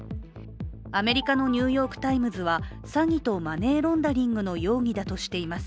アメリカの「ニューヨーク・タイムズ」は詐欺とマネーロンダリングの容疑だとしています。